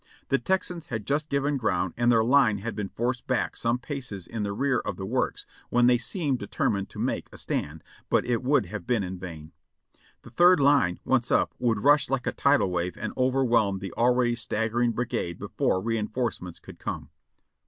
The Texans had just given ground and their line had been forced back some paces in the rear of the works, when they seemed determined to make a stand, but it would have been in vain. The third line, once up, would rush like a tidal wave and overwhelm the already staggering brigade before re inforcements could come.